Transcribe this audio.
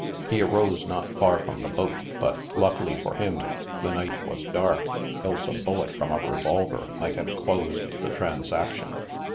He arose not far from the boat, but, luckily for him, the night was dark, else a bullet from a revol ver might have closed the transaction.